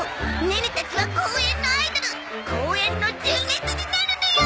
ネネたちは公園のアイドル公園の純烈になるのよ！